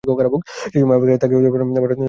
সেই সময় আমেরিকায় থাকিয়াও ভারতের জন্য কাজ চালাইলাম।